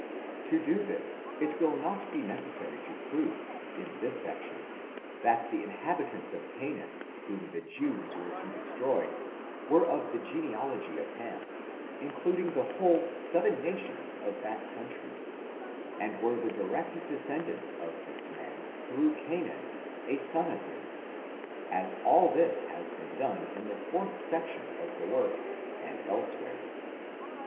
To do ihis, it will not be necessary to prove, in this 1 :' FORTUNES, OP THE NEGRO RACE. 107 section, that the inhabitants of Canaan, whom the Jews were to destroy, were of the genealogy of Hanii including the whole seven nations of that country, and were the direct descendants of this man through Canaan, a son of his, as all this has been done in the fourth section of the work, and elsewhere.